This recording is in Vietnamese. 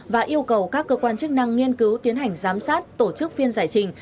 và yêu cầu các cơ quan chức năng nghiên cứu tiến hành giám sát tổ chức phiên giải trình